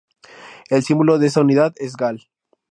El símbolo de esta unidad es Gal.